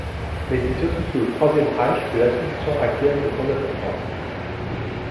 Mais c'est surtout sous le Troisième Reich que l'association acquiert une grande importance.